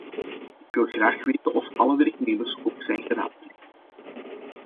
Ik wil graag weten of alle werknemers ook zijn geraadpleegd.